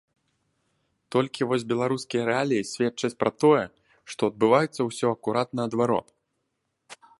Толькі вось беларускія рэаліі сведчаць пра тое, што адбываецца ўсё акурат наадварот.